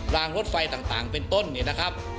รางรถไฟต่างเป็นต้นเนี่ยนะครับ